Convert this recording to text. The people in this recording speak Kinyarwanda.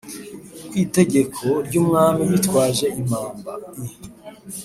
kwitegeko ryumwami bitwaje impamba i